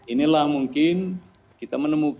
inilah mungkin kita menemukan